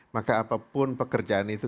maka apapun pekerjaan itu